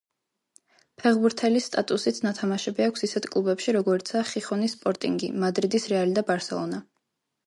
ფეხბურთელის სტატუსით ნათამაშები აქვს ისეთ კლუბებში, როგორიცაა: „ხიხონის სპორტინგი“, „მადრიდის რეალი“ და „ბარსელონა“.